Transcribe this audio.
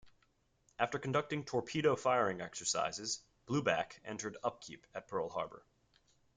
After conducting torpedo firing exercises, "Blueback" entered upkeep at Pearl Harbor.